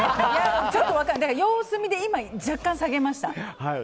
様子見で、若干、下げました。